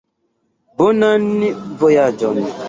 Bonan vojaĝon!